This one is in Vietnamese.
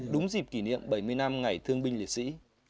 đúng dịp kỷ niệm bảy mươi năm ngày thương binh liệt sĩ